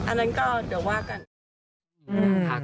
อันนั้นก็เดี๋ยวว่ากัน